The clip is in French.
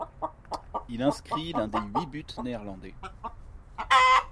Il inscrit l'un des huit buts néerlandais.